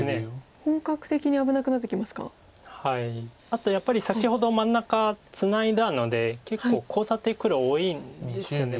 あとやっぱり先ほど真ん中ツナいだので結構コウ立て黒は多いんですよね